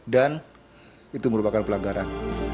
dan itu merupakan pelanggaran